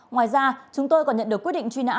ngoài ra chúng tôi còn nhận được quyết định truy nã